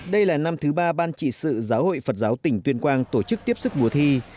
đây là năm thứ ba ban trị sự giáo hội phật giáo tỉnh tuyên quang tổ chức tiếp sức mùa thi